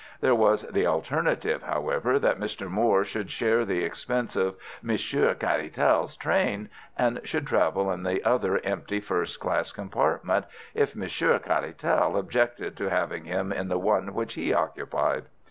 There was the alternative, however, that Mr. Moore should share the expense of Monsieur Caratal's train, and should travel in the other empty first class compartment, if Monsieur Caratal objected to having him in the one which he occupied.